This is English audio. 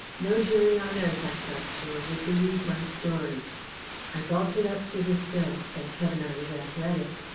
No jury on earth, I felt sure, would believe my story. "I vaulted up to the sill. Thank heaven, I was athletic.